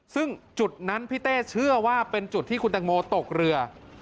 ซึ่งจุดนั้นพี่เต้เชื่อว่าเป็นจุดที่คุณตังโมตกเรือ